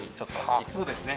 そうですね。